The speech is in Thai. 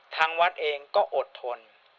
ทางวัดเองก็อดทน